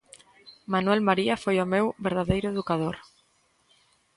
Manuel María foi o meu verdadeiro educador.